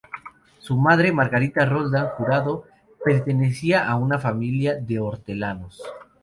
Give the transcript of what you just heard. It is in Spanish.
Su madre, Margarita Roldán Jurado, pertenecía a una familia de hortelanos.